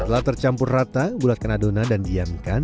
setelah tercampur rata bulatkan adonan dan diamkan